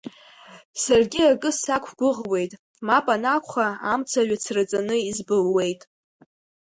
Саргьы акы сақәгәыӷуеит, мап анакәха, амца ҩацраҵаны избылуеит.